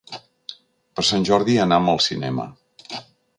Per Sant Jordi anam al cinema.